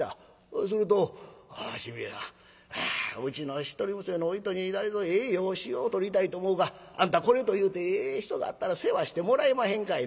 すると『新兵衛さんうちの一人娘のお糸に誰ぞええ養子をとりたいと思うがあんたこれというてええ人があったら世話してもらえまへんかいな』